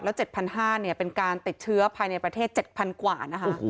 แล้ว๗๕๐๐เนี่ยเป็นการติดเชื้อภายในประเทศ๗๐๐กว่านะคะ